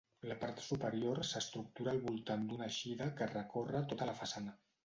La part superior s'estructura al voltant d'una eixida que recorre tota la façana.